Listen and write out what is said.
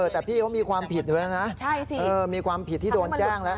แต่พี่เขามีความผิดอยู่แล้วนะมีความผิดที่โดนแจ้งแล้ว